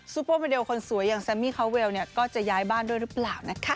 เปอร์โมเดลคนสวยอย่างแซมมี่เขาเวลก็จะย้ายบ้านด้วยหรือเปล่านะคะ